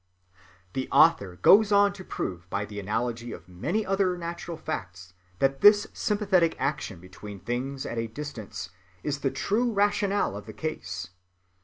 The author goes on to prove by the analogy of many other natural facts that this sympathetic action between things at a distance is the true rationale of the case.